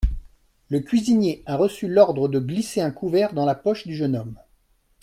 Le cuisinier a reçu l'ordre de glisser un couvert dans la poche du jeune homme.